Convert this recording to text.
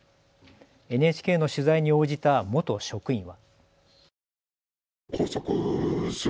ＮＨＫの取材に応じた元職員は。